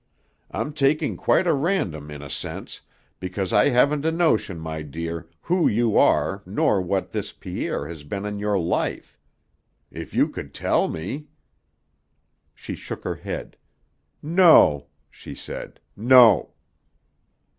"I'm talking quite at random in a sense, because I haven't a notion, my dear, who you are nor what this Pierre has been in your life. If you could tell me ?" She shook her head. "No," she said; "no."